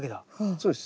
そうです。